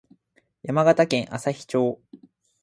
山形県朝日町